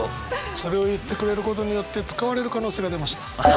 それを言ってくれることによって使われる可能性が出ました。